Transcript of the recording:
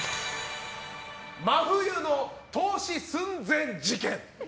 真冬の凍死寸前事件。